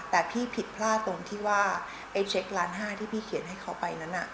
แต่พี่ผิดพลาดตรงที่ว่าไอ้เช็คล้านห้าที่พี่เขียนให้เขาไปนั้น